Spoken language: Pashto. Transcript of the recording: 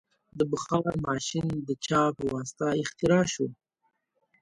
د بخار ماشین د چا په واسطه اختراع شو؟